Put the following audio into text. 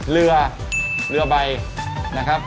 เรือเรือใบนะครับ